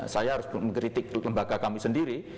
saya harus mengkritik lembaga kami sendiri